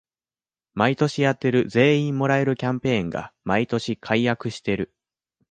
毎年やってる全員もらえるキャンペーンが毎年改悪してる